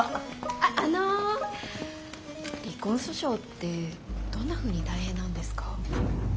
あっあの離婚訴訟ってどんなふうに大変なんですか？